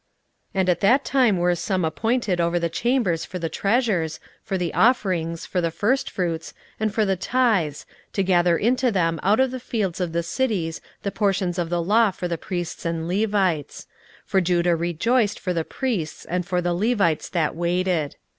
16:012:044 And at that time were some appointed over the chambers for the treasures, for the offerings, for the firstfruits, and for the tithes, to gather into them out of the fields of the cities the portions of the law for the priests and Levites: for Judah rejoiced for the priests and for the Levites that waited.